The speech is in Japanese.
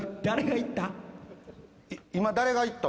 「今誰が言った？」